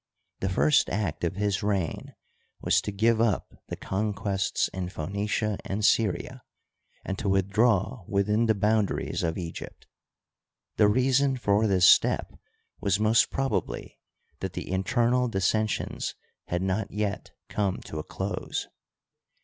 The first act of his reign was to give up tne conquests in Phoenicia and Svria and to withdraw within the boundaries of Egypt. Tne reason for this step was most probably that the internal dissensions had not yet come to a close.